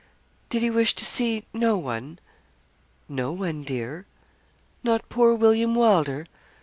'Did he wish to see no one?' 'No one, dear.' 'Not poor William Wylder?'